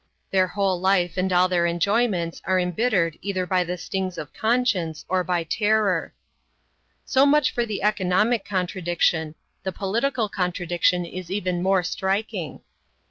Their whole life and all their enjoyments are embittered either by the stings of conscience or by terror. So much for the economic contradiction. The political contradiction is even more striking.